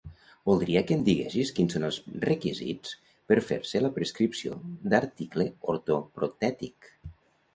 Voldria que em diguessis quins són els requisits per fer-se la prescripció d'article ortoprotètic.